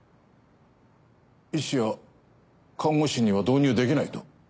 医師や看護師には導入できないと？